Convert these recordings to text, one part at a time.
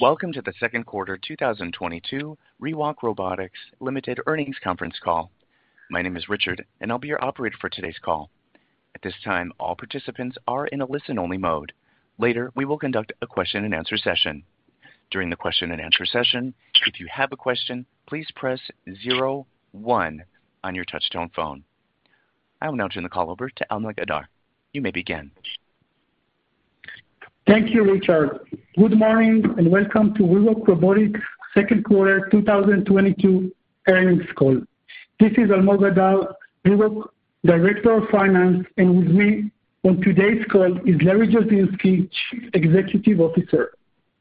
Welcome to The Second Quarter 2022 ReWalk Robotics Limited Earnings Conference Call. My name is Richard, and I'll be your operator for today's call. At this time, all participants are in a listen-only mode. Later, we will conduct a question-and-answer session. During the question-and-answer session, if you have a question, please press zero one on your touchtone phone. I will now turn the call over to Almog Adar. You may begin. Thank you, Richard. Good morning and welcome to ReWalk Robotics second quarter 2022 earnings call. This is Almog Adar, ReWalk Director of Finance, and with me on today's call is Larry Jasinski, Chief Executive Officer.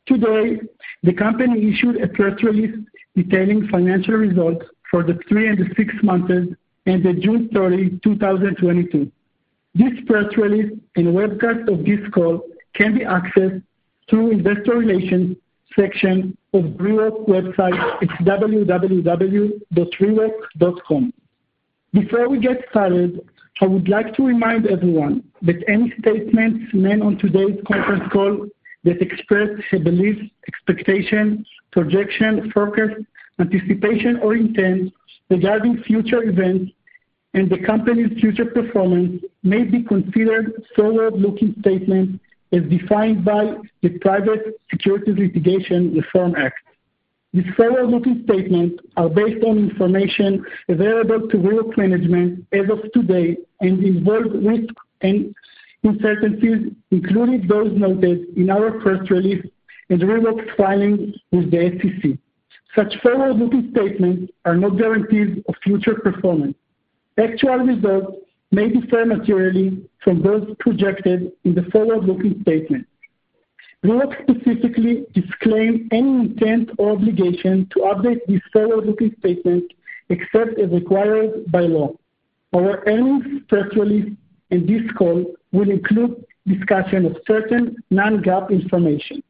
Today, the company issued a press release detailing financial results for the three and six months ended June 30, 2022. This press release and webcast of this call can be accessed through investor relations section of ReWalk website. It's www.rewalk.com. Before we get started, I would like to remind everyone that any statements made on today's conference call that express a belief, expectation, projection, forecast, anticipation, or intent regarding future events and the company's future performance may be considered forward-looking statements as defined by the Private Securities Litigation Reform Act. These forward-looking statements are based on information available to ReWalk management as of today and involve risks and uncertainties, including those noted in our press release and ReWalk's filings with the SEC. Such forward-looking statements are not guarantees of future performance. Actual results may differ materially from those projected in the forward-looking statement. ReWalk specifically disclaims any intent or obligation to update these forward-looking statements except as required by law. Our earnings press release and this call will include discussion of certain non-GAAP information.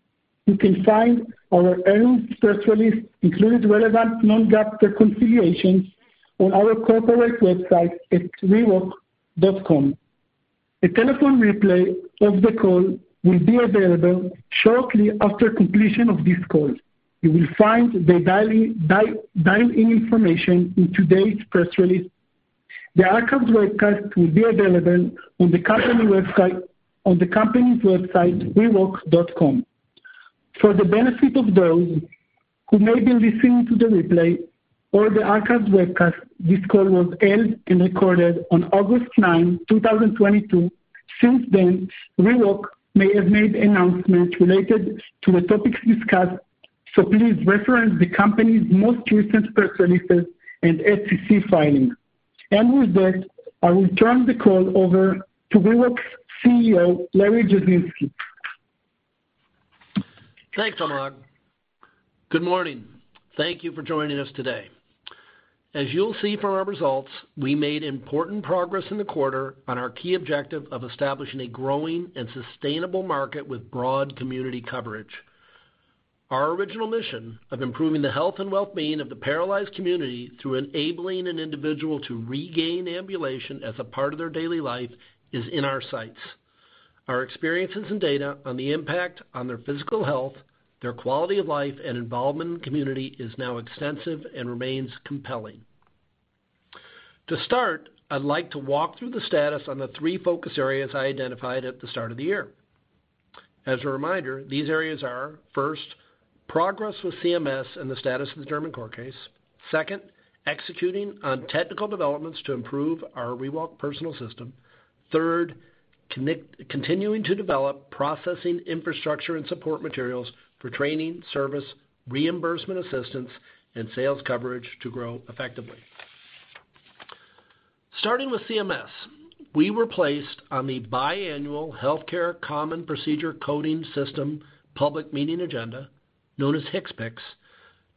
You can find our earnings press release, including relevant non-GAAP reconciliations on our corporate website at rewalk.com. A telephone replay of the call will be available shortly after completion of this call. You will find the dial-in information in today's press release. The archived webcast will be available on the company's website, rewalk.com. For the benefit of those who may be listening to the replay or the archived webcast, this call was held and recorded on August 9, 2022. Since then, ReWalk may have made announcements related to the topics discussed, so please reference the company's most recent press releases and SEC filings. With that, I will turn the call over to ReWalk's CEO, Larry Jasinski. Thanks, Almog. Good morning. Thank you for joining us today. As you'll see from our results, we made important progress in the quarter on our key objective of establishing a growing and sustainable market with broad community coverage. Our original mission of improving the health and well-being of the paralyzed community through enabling an individual to regain ambulation as a part of their daily life is in our sights. Our experiences and data on the impact on their physical health, their quality of life, and involvement in community is now extensive and remains compelling. To start, I'd like to walk through the status on the three focus areas I identified at the start of the year. As a reminder, these areas are, first, progress with CMS and the status of the German court case. Second, executing on technical developments to improve our ReWalk personal system. Third, continuing to develop processing infrastructure and support materials for training, service, reimbursement assistance, and sales coverage to grow effectively. Starting with CMS, we were placed on the biannual Healthcare Common Procedure Coding System public meeting agenda, known as HCPCS,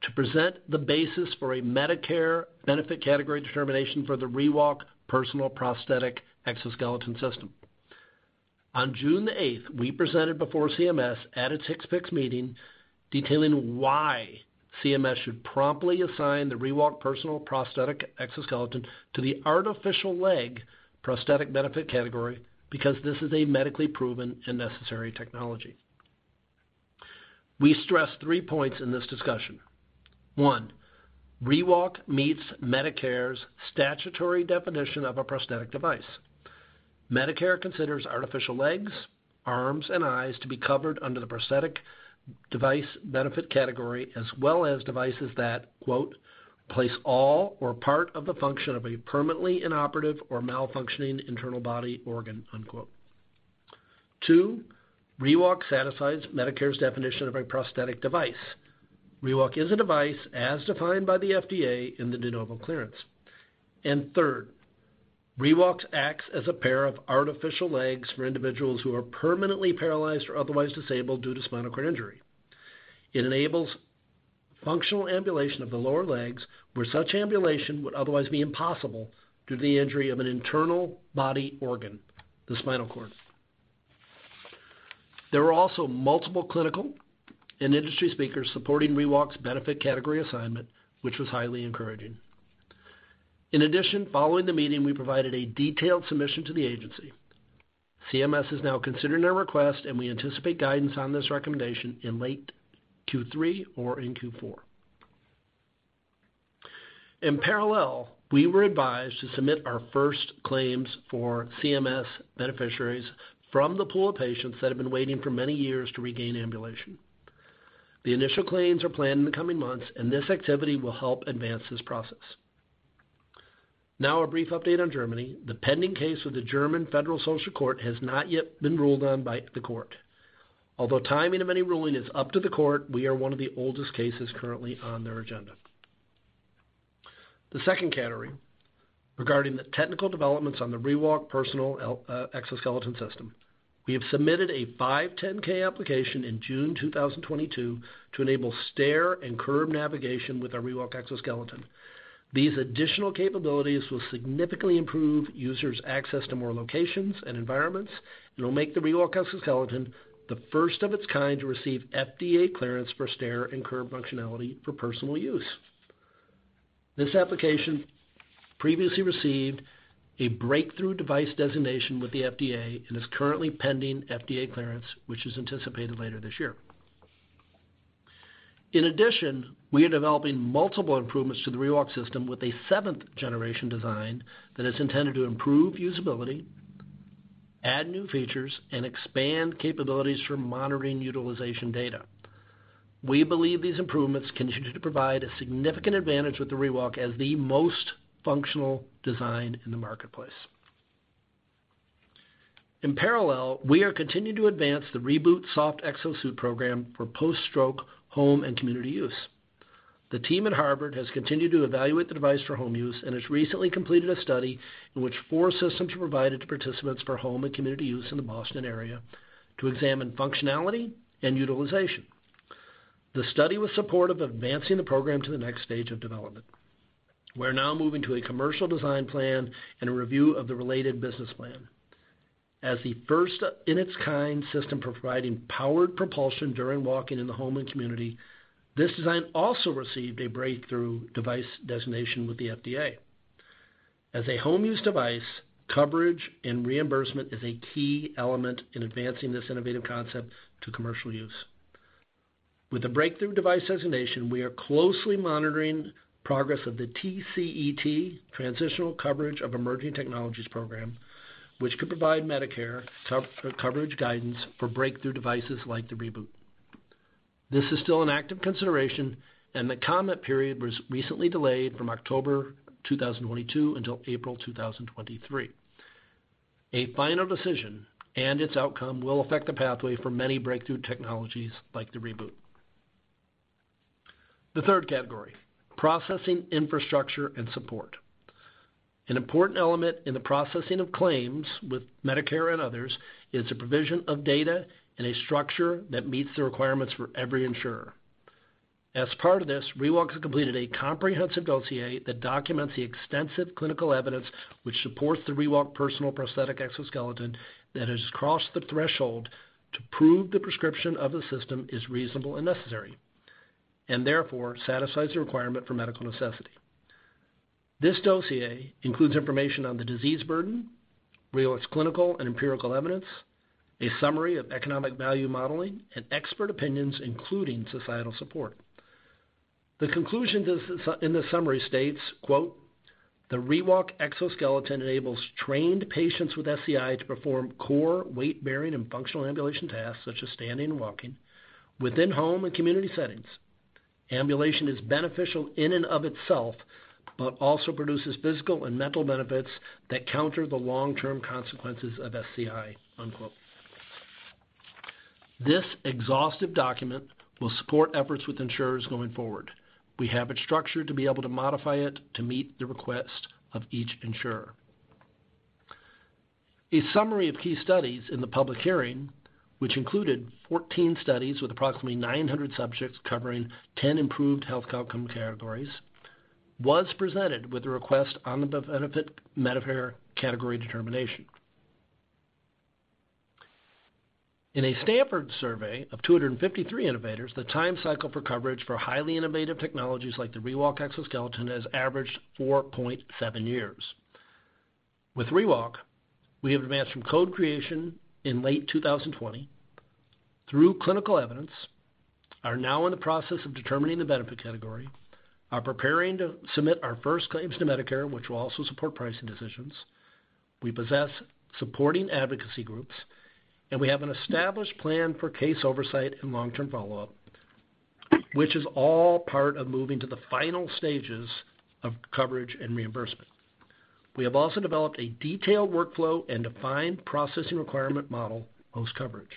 to present the basis for a Medicare benefit category determination for the ReWalk personal prosthetic exoskeleton system. On June 8th, we presented before CMS at its HCPCS meeting, detailing why CMS should promptly assign the ReWalk personal prosthetic exoskeleton to the artificial leg prosthetic benefit category because this is a medically proven and necessary technology. We stressed three points in this discussion. One, ReWalk meets Medicare's statutory definition of a prosthetic device. Medicare considers artificial legs, arms, and eyes to be covered under the prosthetic device benefit category, as well as devices that, quote, "replace all or part of the function of a permanently inoperative or malfunctioning internal body organ," unquote. Two, ReWalk satisfies Medicare's definition of a prosthetic device. ReWalk is a device as defined by the FDA in the De Novo clearance. Third, ReWalk acts as a pair of artificial legs for individuals who are permanently paralyzed or otherwise disabled due to spinal cord injury. It enables functional ambulation of the lower legs, where such ambulation would otherwise be impossible due to the injury of an internal body organ, the spinal cord. There were also multiple clinical and industry speakers supporting ReWalk's benefit category assignment, which was highly encouraging. In addition, following the meeting, we provided a detailed submission to the agency. CMS is now considering their request, and we anticipate guidance on this recommendation in late Q3 or in Q4. In parallel, we were advised to submit our first claims for CMS beneficiaries from the pool of patients that have been waiting for many years to regain ambulation. The initial claims are planned in the coming months, and this activity will help advance this process. Now a brief update on Germany. The pending case with the German Federal Social Court has not yet been ruled on by the court. Although timing of any ruling is up to the court, we are one of the oldest cases currently on their agenda. The second category regarding the technical developments on the ReWalk Personal Exoskeleton system. We have submitted a 510(k) application in June 2022 to enable stair and curb navigation with our ReWalk exoskeleton. These additional capabilities will significantly improve users' access to more locations and environments and will make the ReWalk exoskeleton the first of its kind to receive FDA clearance for stair and curb functionality for personal use. This application previously received a breakthrough device designation with the FDA and is currently pending FDA clearance, which is anticipated later this year. In addition, we are developing multiple improvements to the ReWalk system with a seventh-generation design that is intended to improve usability, add new features, and expand capabilities for monitoring utilization data. We believe these improvements continue to provide a significant advantage with the ReWalk as the most functional design in the marketplace. In parallel, we are continuing to advance the ReBoot soft exo-suit program for post-stroke home and community use. The team at Harvard has continued to evaluate the device for home use and has recently completed a study in which four systems were provided to participants for home and community use in the Boston area to examine functionality and utilization. The study was supportive of advancing the program to the next stage of development. We are now moving to a commercial design plan and a review of the related business plan. As the first in its kind system providing powered propulsion during walking in the home and community, this design also received a breakthrough device designation with the FDA. As a home use device, coverage and reimbursement is a key element in advancing this innovative concept to commercial use. With the breakthrough device designation, we are closely monitoring progress of the TCET, Transitional Coverage of Emerging Technologies program, which could provide Medicare coverage guidance for breakthrough devices like the ReBoot. This is still an active consideration, and the comment period was recently delayed from October 2022 until April 2023. A final decision and its outcome will affect the pathway for many breakthrough technologies like the ReBoot. The third category, processing infrastructure and support. An important element in the processing of claims with Medicare and others is the provision of data in a structure that meets the requirements for every insurer. As part of this, ReWalk has completed a comprehensive dossier that documents the extensive clinical evidence which supports the ReWalk personal prosthetic exoskeleton that has crossed the threshold to prove the prescription of the system is reasonable and necessary and therefore satisfies the requirement for medical necessity. This dossier includes information on the disease burden, ReWalk's clinical and empirical evidence, a summary of economic value modeling, and expert opinions, including societal support. The conclusion in the summary states, quote, "The ReWalk exoskeleton enables trained patients with SCI to perform core weight bearing and functional ambulation tasks such as standing and walking within home and community settings. Ambulation is beneficial in and of itself but also produces physical and mental benefits that counter the long-term consequences of SCI." Unquote. This exhaustive document will support efforts with insurers going forward. We have it structured to be able to modify it to meet the request of each insurer. A summary of key studies in the public hearing, which included 14 studies with approximately 900 subjects covering 10 improved health outcome categories, was presented with a request on the benefit Medicare category determination. In a Stanford survey of 253 innovators, the time cycle for coverage for highly innovative technologies like the ReWalk exoskeleton has averaged 4.7 years. With ReWalk, we have advanced from code creation in late 2020 through clinical evidence, are now in the process of determining the benefit category, are preparing to submit our first claims to Medicare, which will also support pricing decisions. We possess supporting advocacy groups, and we have an established plan for case oversight and long-term follow-up, which is all part of moving to the final stages of coverage and reimbursement. We have also developed a detailed workflow and defined processing requirement model post coverage.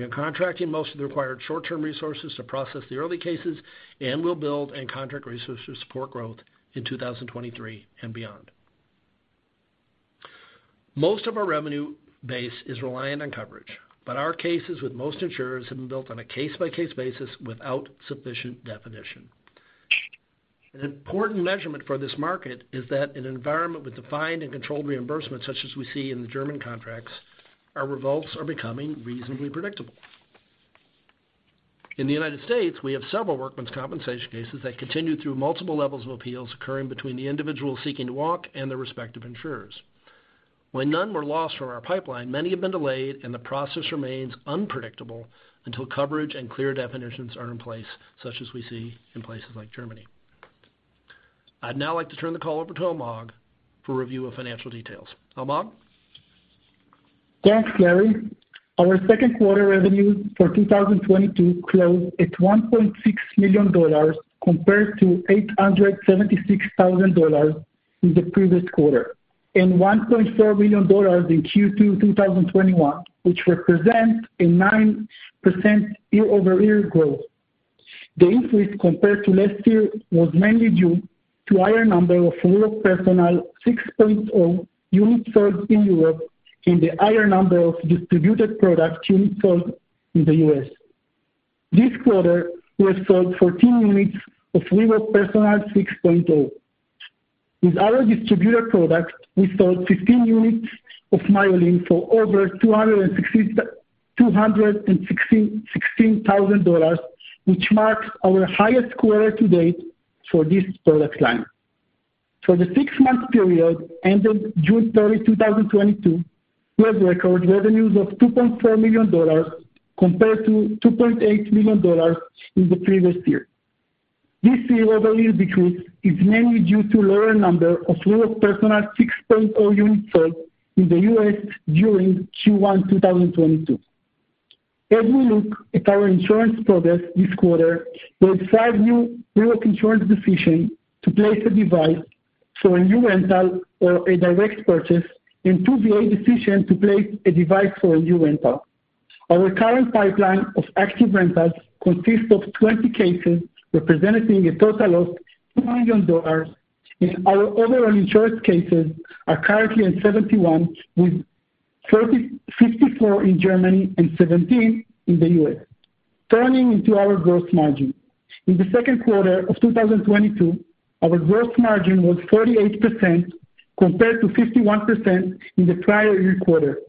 We are contracting most of the required short-term resources to process the early cases and will build and contract resources to support growth in 2023 and beyond. Most of our revenue base is reliant on coverage, but our cases with most insurers have been built on a case-by-case basis without sufficient definition. An important measurement for this market is that an environment with defined and controlled reimbursement such as we see in the German contracts, our results are becoming reasonably predictable. In the United States, we have several workmen's compensation cases that continue through multiple levels of appeals occurring between the individual seeking to walk and the respective insurers. When none were lost from our pipeline, many have been delayed, and the process remains unpredictable until coverage and clear definitions are in place, such as we see in places like Germany. I'd now like to turn the call over to Almog for review of financial details. Almog? Thanks, Larry. Our second quarter revenue for 2022 closed at $1.6 million compared to $876,000 in the previous quarter, and $1.4 million in Q2 2021, which represents a 9% year-over-year growth. The increase compared to last year was mainly due to higher number of [inaudible] units sold in Europe and the higher number of distributed product units sold in the U.S. This quarter, we have sold 14 units of ReWalk Personal 6.0. With our distributor product, we sold 15 units of MYOLYN for over $262,616, which marks our highest quarter to date for this product line. For the six-month period ending June 30, 2022, we have record revenues of $2.4 million compared to $2.8 million in the previous year. This year, revenue decrease is mainly due to lower number of ReWalk Personal 6.0 units sold in the U.S. during Q1 2022. As we look at our insurance products this quarter, we have five new ReWalk insurance decisions to place a device, so a new rental or a direct purchase, and two VA decisions to place a device for a new rental. Our current pipeline of active rentals consists of 20 cases, representing a total of $2 million, and our overall insurance cases are currently at 71, with 54 in Germany and 17 in the U.S. Turning to our gross margin. In the second quarter of 2022, our gross margin was 48% compared to 51% in the prior year quarter.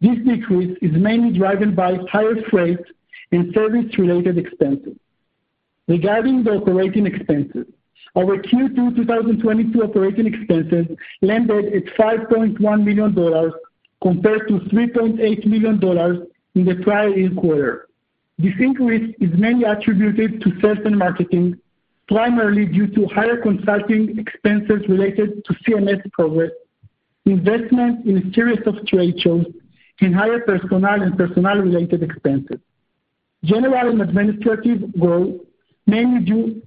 This decrease is mainly driven by higher freight and service-related expenses. Regarding the operating expenses, our Q2 2022 operating expenses landed at $5.1 million compared to $3.8 million in the prior year quarter. This increase is mainly attributed to sales and marketing, primarily due to higher consulting expenses related to CMS progress, investment in a series of trade shows, and higher personnel and personnel-related expenses. General and administrative growth, mainly due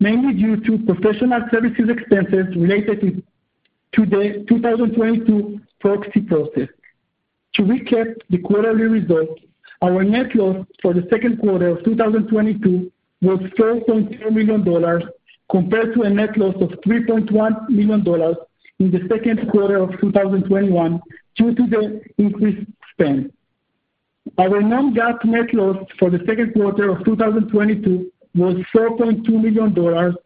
to professional services expenses related to the 2022 proxy process. To recap the quarterly results, our net loss for the second quarter of 2022 was $4.2 million compared to a net loss of $3.1 million in the second quarter of 2021 due to the increased spend. Our non-GAAP net loss for the second quarter of 2022 was $4.2 million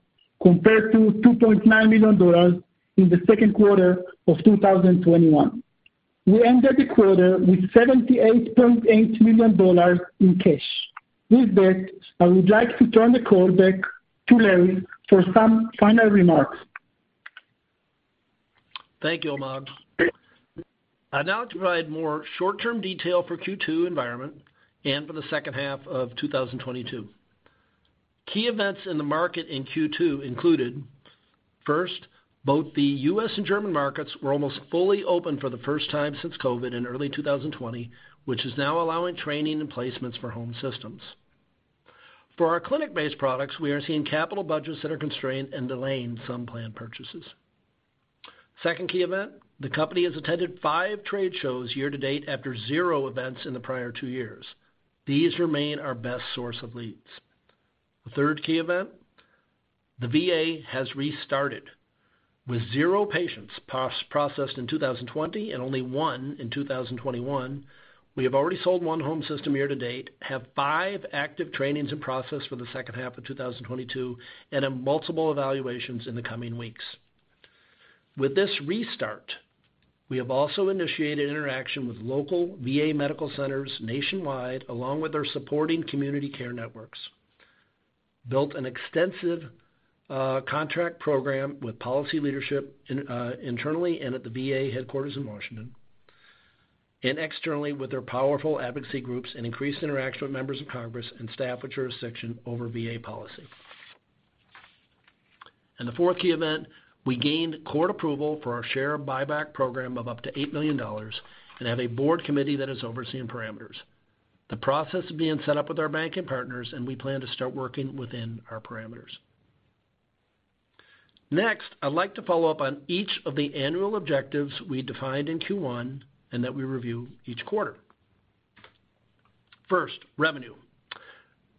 compared to $2.9 million in the second quarter of 2021. We ended the quarter with $78.8 million in cash. With that, I would like to turn the call back to Larry for some final remarks. Thank you, Almog. I'd now like to provide more short-term detail for Q2 environment and for the second half of 2022. Key events in the market in Q2 included, first, both the U.S. and German markets were almost fully open for the first time since COVID in early 2020, which is now allowing training and placements for home systems. For our clinic-based products, we are seeing capital budgets that are constrained and delaying some planned purchases. Second key event, the company has attended five trade shows year to date after zero events in the prior two years. These remain our best source of leads. The third key event, the VA has restarted. With zero patients processed in 2020 and only one in 2021, we have already sold one home system year to date, have five active trainings in process for the second half of 2022, and have multiple evaluations in the coming weeks. With this restart, we have also initiated interaction with local VA medical centers nationwide, along with their supporting community care networks, built an extensive contract program with policy leadership in internally and at the VA headquarters in Washington, and externally with their powerful advocacy groups and increased interaction with members of Congress and staff with jurisdiction over VA policy. The fourth key event, we gained court approval for our share buyback program of up to $8 million and have a board committee that is overseeing parameters. The process is being set up with our bank and partners, and we plan to start working within our parameters. Next, I'd like to follow up on each of the annual objectives we defined in Q1 and that we review each quarter. First, revenue.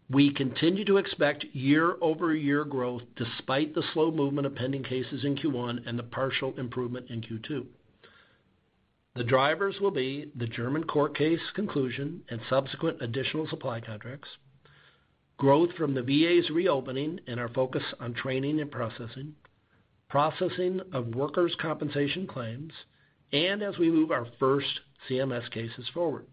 We continue to expect year-over-year growth despite the slow movement of pending cases in Q1 and the partial improvement in Q2. The drivers will be the German court case conclusion and subsequent additional supply contracts, growth from the VA's reopening and our focus on training and processing of workers' compensation claims and as we move our first CMS cases forward.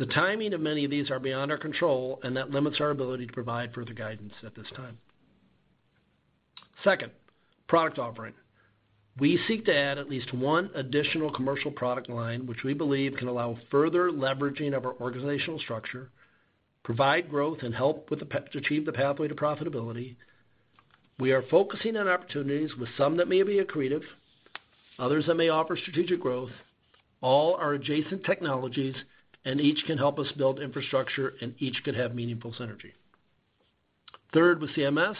The timing of many of these are beyond our control, and that limits our ability to provide further guidance at this time. Second, product offering. We seek to add at least one additional commercial product line, which we believe can allow further leveraging of our organizational structure, provide growth, and help with the path to achieve the pathway to profitability. We are focusing on opportunities with some that may be accretive, others that may offer strategic growth. All are adjacent technologies and each can help us build infrastructure, and each could have meaningful synergy. Third, with CMS,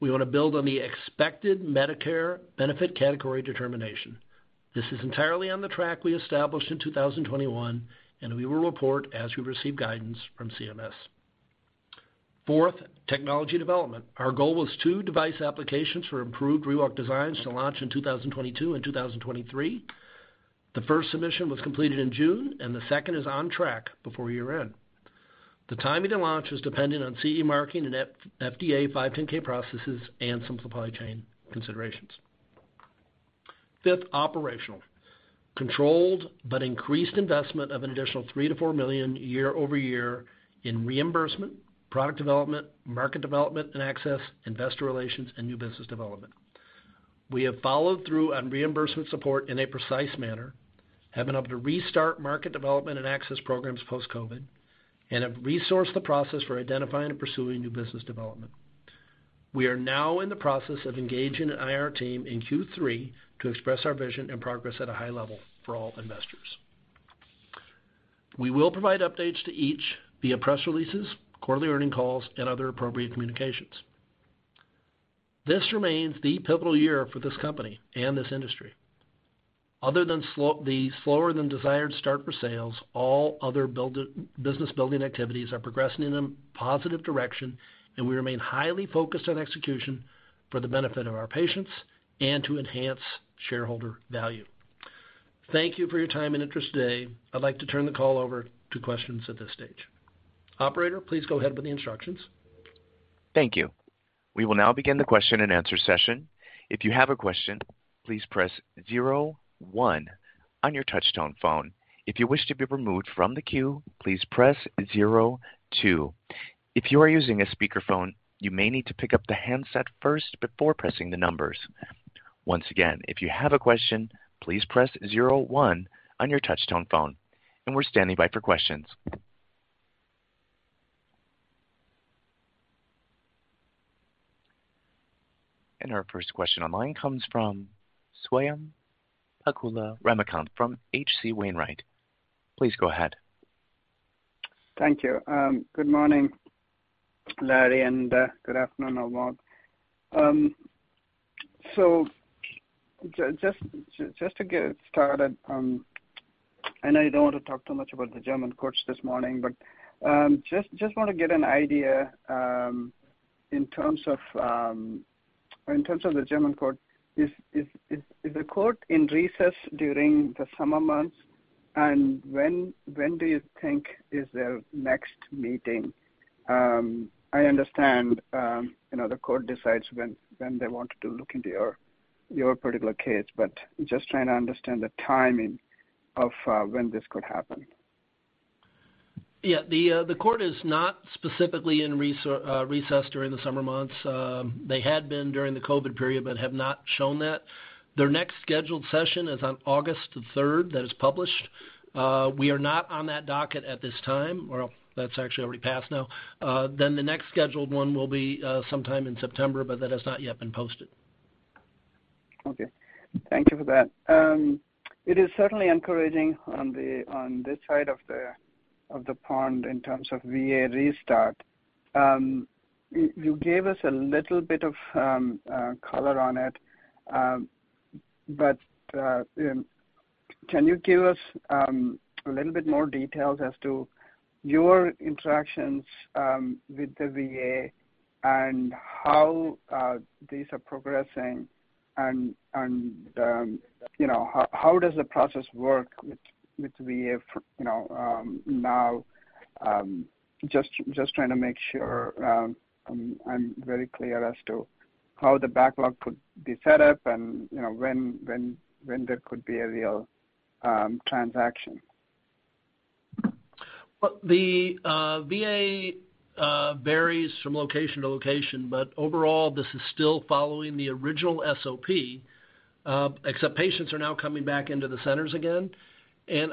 we want to build on the expected Medicare benefit category determination. This is entirely on the track we established in 2021, and we will report as we receive guidance from CMS. Fourth, technology development. Our goal was two device applications for improved ReWalk designs to launch in 2022 and 2023. The first submission was completed in June, and the second is on track before year-end. The timing to launch is dependent on CE marking and FDA 510(k) processes and some supply chain considerations. Fifth, operational. Controlled but increased investment of an additional $3 million-$4 million year-over-year in reimbursement, product development, market development and access, investor relations, and new business development. We have followed through on reimbursement support in a precise manner, have been able to restart market development and access programs post-COVID, and have resourced the process for identifying and pursuing new business development. We are now in the process of engaging an IR team in Q3 to express our vision and progress at a high level for all investors. We will provide updates to each via press releases, quarterly earnings calls, and other appropriate communications. This remains the pivotal year for this company and this industry. Other than the slower than desired start for sales, all other business-building activities are progressing in a positive direction, and we remain highly focused on execution for the benefit of our patients and to enhance shareholder value. Thank you for your time and interest today. I'd like to turn the call over to questions at this stage. Operator, please go ahead with the instructions. Thank you. We will now begin the question-and-answer session. If you have a question, please press zero one on your touchtone phone. If you wish to be removed from the queue, please press zero two. If you are using a speakerphone, you may need to pick up the handset first before pressing the numbers. Once again, if you have a question, please press zero one on your touchtone phone and we're standing by for questions. Our first question online comes from Swayampakula Ramakanth from H.C. Wainwright. Please go ahead. Thank you. Good morning, Larry, and good afternoon, all. Just to get started, I know you don't want to talk too much about the German courts this morning but just want to get an idea in terms of the German court. Is the court in recess during the summer months? When do you think is their next meeting? I understand you know, the court decides when they want to look into your particular case but just trying to understand the timing of when this could happen. The court is not specifically in recess during the summer months. They had been during the COVID period but have not shown that. Their next scheduled session is on August the third. That is published. We are not on that docket at this time. Well, that's actually already passed now. The next scheduled one will be sometime in September, but that has not yet been posted. Okay. Thank you for that. It is certainly encouraging on this side of the pond in terms of VA restart. You gave us a little bit of color on it, but can you give us a little bit more details as to your interactions with the VA and how these are progressing and, you know, how does the process work with VA, you know, now, just trying to make sure I'm very clear as to how the backlog could be set up and, you know, when there could be a real transaction. Well, the VA varies from location to location, but overall, this is still following the original SOP, except patients are now coming back into the centers again.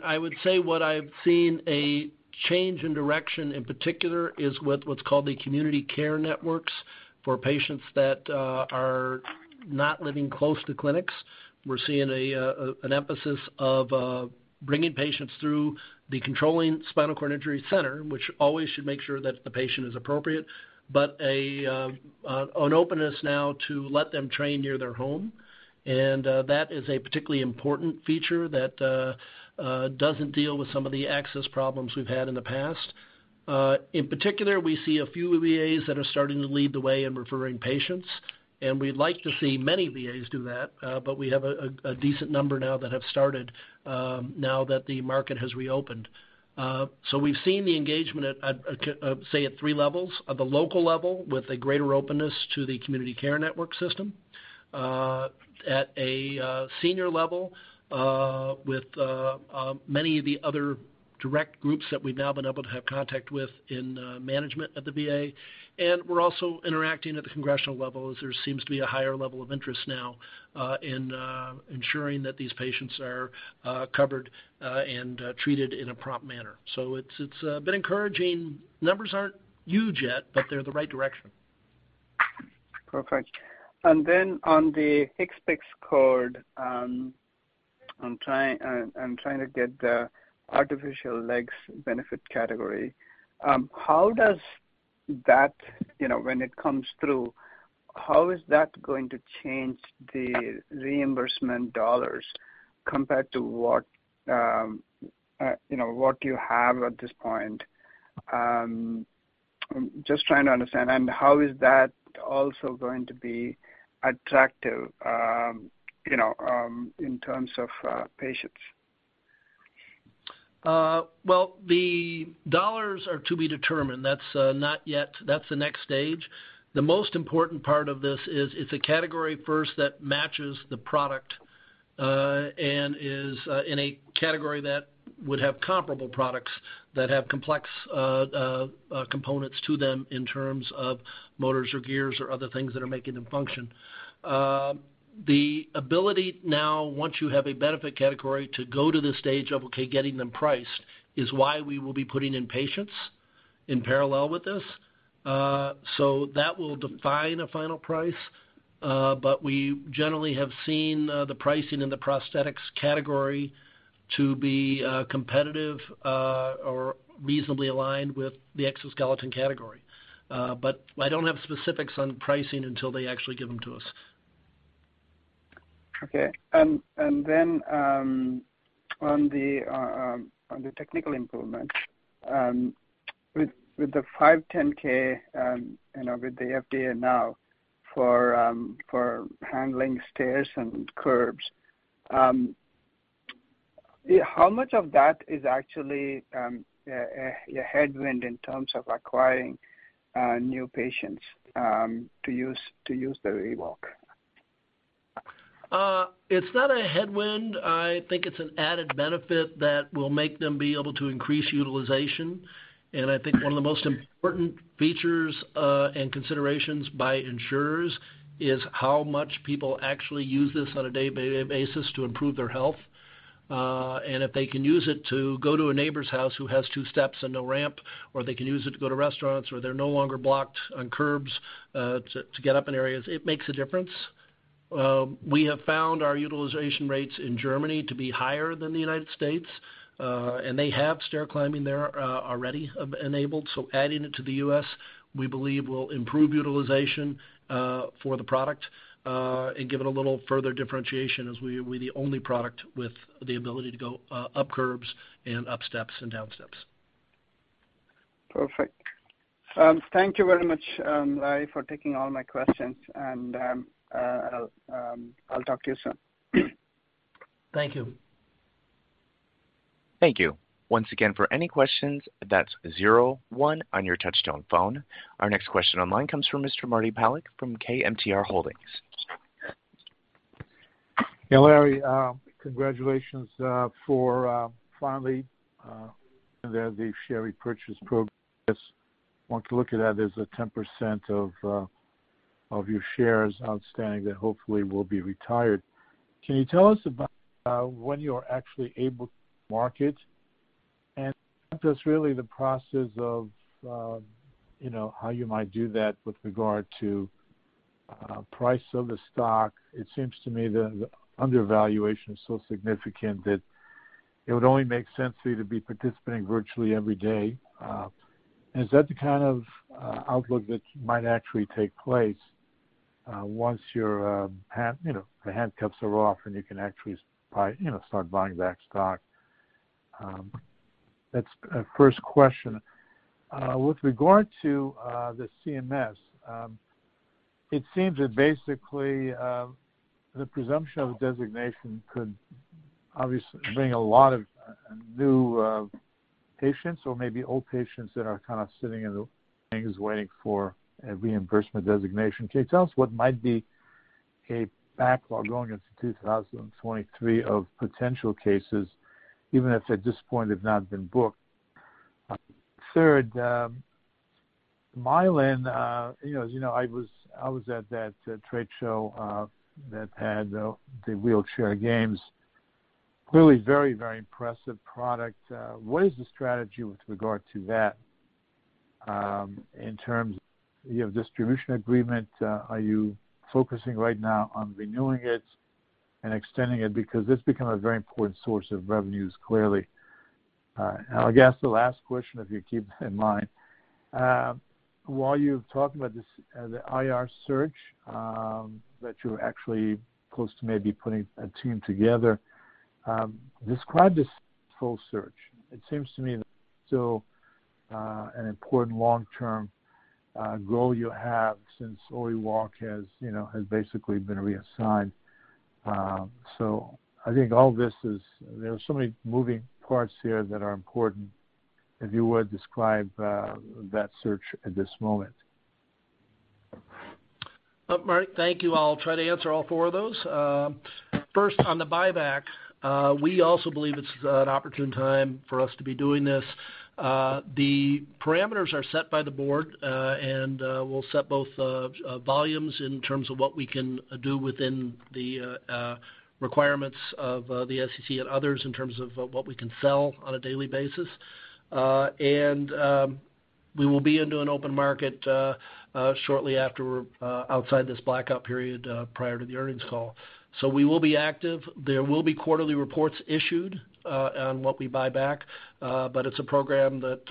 I would say what I've seen a change in direction in particular is with what's called the community care networks for patients that are not living close to clinics. We're seeing an emphasis of bringing patients through the controlling spinal cord injury center, which always should make sure that the patient is appropriate, but an openness now to let them train near their home. That is a particularly important feature that doesn't deal with some of the access problems we've had in the past. In particular, we see a few VAs that are starting to lead the way in referring patients, and we'd like to see many VAs do that, but we have a decent number now that have started, now that the market has reopened. We've seen the engagement at, say, at three levels. At the local level with a greater openness to the community care network system. At a senior level with many of the other director groups that we've now been able to have contact with in management of the VA, and we're also interacting at the congressional level, as there seems to be a higher level of interest now in ensuring that these patients are covered and treated in a prompt manner. It's been encouraging. Numbers aren't huge yet, but they're the right direction. Perfect. Then on the HCPCS code, I'm trying to get the artificial legs benefit category. How does that, you know, when it comes through, how is that going to change the reimbursement dollars compared to what, you know, what you have at this point? Just trying to understand. How is that also going to be attractive, you know, in terms of patients? Well, the dollars are to be determined. That's not yet. That's the next stage. The most important part of this is it's a category first that matches the product and is in a category that would have comparable products that have complex components to them in terms of motors or gears or other things that are making them function. The ability now, once you have a benefit category to go to the stage of, okay, getting them priced is why we will be putting in patients in parallel with this. That will define a final price. We generally have seen the pricing in the prosthetics category to be competitive or reasonably aligned with the exoskeleton category. I don't have specifics on pricing until they actually give them to us. Okay. Then on the technical improvement with the 510(k) you know with the FDA now for handling stairs and curbs how much of that is actually a headwind in terms of acquiring new patients to use the ReWalk? It's not a headwind. I think it's an added benefit that will make them be able to increase utilization. I think one of the most important features and considerations by insurers is how much people actually use this on a day-by-day basis to improve their health. If they can use it to go to a neighbor's house who has two steps and no ramp, or they can use it to go to restaurants, or they're no longer blocked on curbs, to get up in areas, it makes a difference. We have found our utilization rates in Germany to be higher than the United States, and they have stair climbing there, already enabled. Adding it to the U.S., we believe will improve utilization for the product and give it a little further differentiation as we are the only product with the ability to go up curbs and up steps and down steps. Perfect. Thank you very much, Larry, for taking all my questions. I'll talk to you soon. Thank you. Thank you. Once again, for any questions, that's zero one on your touchtone phone. Our next question online comes from Mr. Marty Palik from KMTR Holdings. Yeah, Larry, congratulations for finally the share repurchase program. Want to look at that as 10% of your shares outstanding that hopefully will be retired. Can you tell us about when you are actually able to market? Just really the process of, you know, how you might do that with regard to price of the stock. It seems to me the undervaluation is so significant that it would only make sense for you to be participating virtually every day. Is that the kind of outlook that might actually take place once your, you know, the handcuffs are off and you can actually buy, you know, start buying back stock? That's a first question. With regard to the CMS, it seems that basically the presumption of designation could obviously bring a lot of new patients or maybe old patients that are kind of sitting in the wings waiting for a reimbursement designation. Can you tell us what might be a backlog going into 2023 of potential cases, even if at this point, they've not been booked? Third, MYOLYN, you know, as you know, I was at that trade show that had the wheelchair games. Clearly very impressive product. What is the strategy with regard to that in terms of distribution agreement? Are you focusing right now on renewing it and extending it? Because it's become a very important source of revenues, clearly. I guess the last question, if you keep in mind while you're talking about this, the IR search that you're actually close to maybe putting a team together, describe this whole search. It seems to me still an important long-term goal you have since [inaudible] has, you know, basically been reassigned. I think all this is. There are so many moving parts here that are important. If you would describe that search at this moment. Marty, thank you. I'll try to answer all four of those. First on the buyback, we also believe it's an opportune time for us to be doing this. The parameters are set by the board, and we'll set both volumes in terms of what we can do within the requirements of the SEC and others in terms of what we can sell on a daily basis. We will be into an open market shortly after we're outside this blackout period prior to the earnings call. We will be active. There will be quarterly reports issued on what we buy back, but it's a program that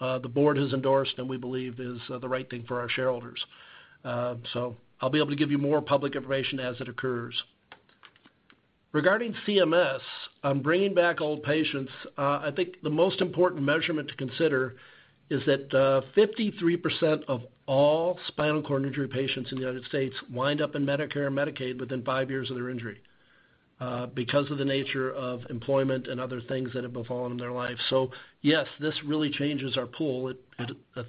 the board has endorsed, and we believe is the right thing for our shareholders. I'll be able to give you more public information as it occurs. Regarding CMS, on bringing back old patients, I think the most important measurement to consider is that 53% of all spinal cord injury patients in the United States wind up in Medicare or Medicaid within five years of their injury, because of the nature of employment and other things that have befallen their lives. Yes, this really changes our pool. It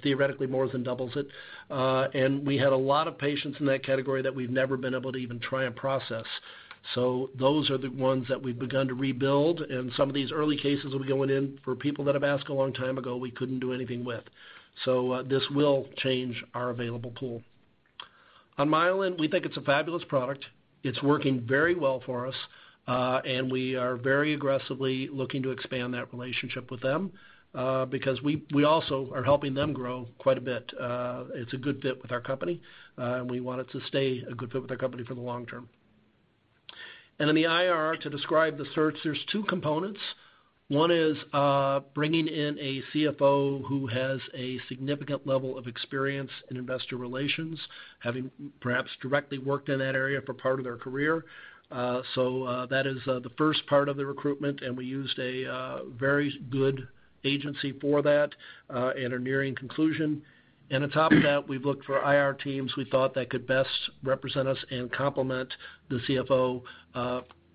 theoretically more than doubles it. We had a lot of patients in that category that we've never been able to even try and process. Those are the ones that we've begun to rebuild, and some of these early cases will be going in for people that have asked a long time ago, we couldn't do anything with. This will change our available pool. On MYOLYN, we think it's a fabulous product. It's working very well for us, and we are very aggressively looking to expand that relationship with them, because we also are helping them grow quite a bit. It's a good fit with our company, and we want it to stay a good fit with our company for the long term. In the IR, to describe the search, there's two components. One is bringing in a CFO who has a significant level of experience in investor relations, having perhaps directly worked in that area for part of their career. So, that is the first part of the recruitment, and we used a very good agency for that, and are nearing conclusion. On top of that, we've looked for IR teams we thought that could best represent us and complement the CFO.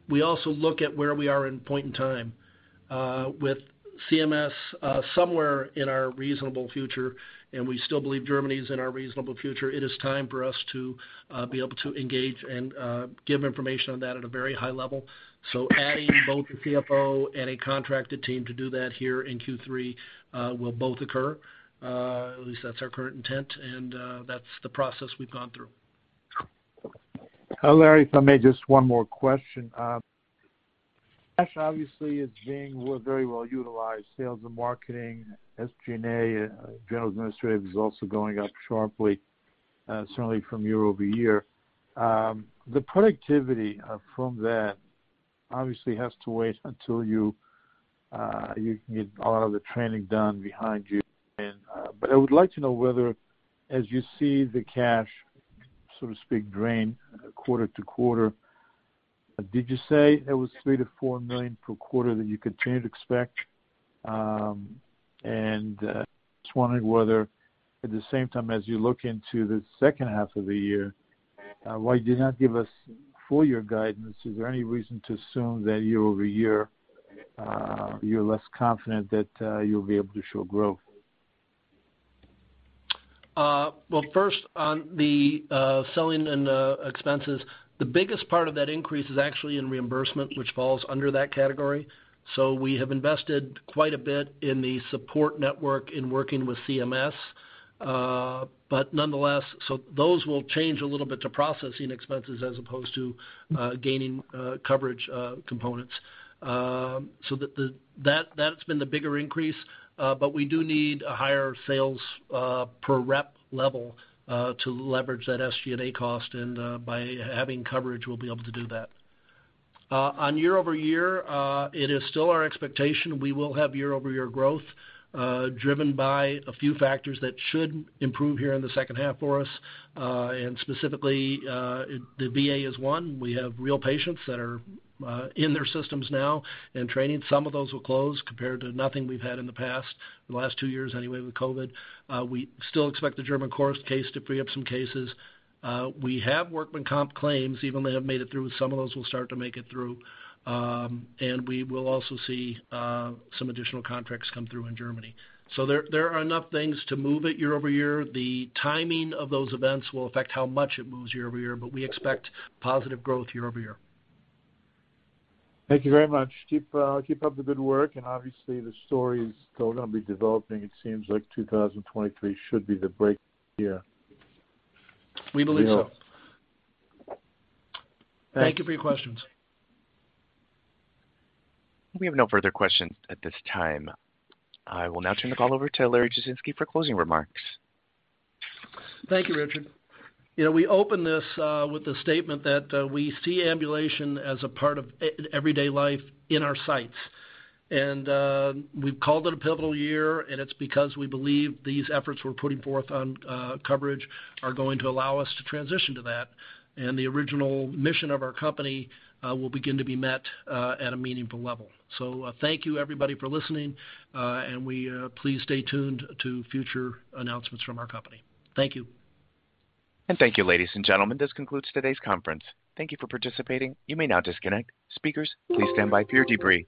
We also look at where we are at a point in time. With CMS, somewhere in our reasonable future, and we still believe Germany is in our reasonable future, it is time for us to be able to engage and give information on that at a very high level. Adding both the CFO and a contracted team to do that here in Q3 will both occur. At least that's our current intent, and that's the process we've gone through. Hi, Larry, if I may, just one more question. Cash obviously is being very well utilized, sales and marketing, SG&A, general and administrative is also going up sharply, certainly from year-over-year. The productivity from that obviously has to wait until you can get a lot of the training done behind you. But I would like to know whether as you see the cash, so to speak, drain quarter-to-quarter, did you say it was $3 million-$4 million per quarter that you continue to expect? Just wondering whether at the same time as you look into the second half of the year, why you did not give us full year guidance? Is there any reason to assume that year-over-year, you're less confident that you'll be able to show growth? Well, first on the selling and expenses, the biggest part of that increase is actually in reimbursement, which falls under that category. We have invested quite a bit in the support network in working with CMS. Nonetheless, those will change a little bit to processing expenses as opposed to gaining coverage components. That that's been the bigger increase, but we do need a higher sales per rep level to leverage that SG&A cost, and by having coverage, we'll be able to do that. On year-over-year, it is still our expectation we will have year-over-year growth, driven by a few factors that should improve here in the second half for us. Specifically, the VA is one. We have real patients that are in their systems now and training. Some of those will close compared to nothing we've had in the past, the last two years anyway with COVID. We still expect the German court case to free up some cases. We have workers' comp claims, even though they have made it through, some of those will start to make it through. We will also see some additional contracts come through in Germany. There are enough things to move it year-over-year. The timing of those events will affect how much it moves year-over-year, but we expect positive growth year-over-year. Thank you very much. Keep up the good work. Obviously, the story is still gonna be developing. It seems like 2023 should be the break year. We believe so. Thanks. Thank you for your questions. We have no further questions at this time. I will now turn the call over to Larry Jasinski for closing remarks. Thank you, Richard. You know, we opened this with the statement that we see ambulation as a part of everyday life in our sights. We've called it a pivotal year, and it's because we believe these efforts we're putting forth on coverage are going to allow us to transition to that, and the original mission of our company will begin to be met at a meaningful level. Thank you everybody for listening, and please stay tuned to future announcements from our company. Thank you. Thank you, ladies and gentlemen. This concludes today's conference. Thank you for participating. You may now disconnect. Speakers, please stand by for your debrief.